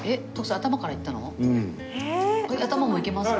頭もいけますか？